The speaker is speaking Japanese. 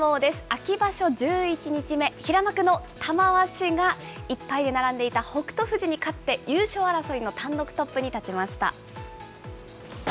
秋場所１１日目、平幕の玉鷲が、１敗で並んでいた北勝富士に勝って優勝争いの単独トップに立ちました。